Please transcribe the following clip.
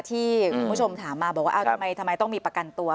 คุณผู้ชมถามมาบอกว่าทำไมต้องมีประกันตัว